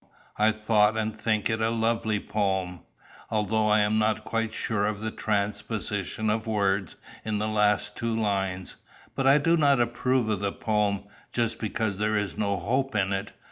I thought and think it a lovely poem, although I am not quite sure of the transposition of words in the last two lines. But I do not approve of the poem, just because there is no hope in it.